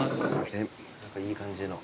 何かいい感じの。